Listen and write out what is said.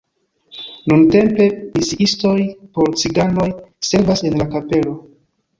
Nuntempe misiistoj por ciganoj servas en la kapelo.